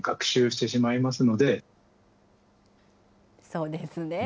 そうですね。